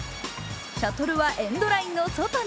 シャトルはエンドラインの外に。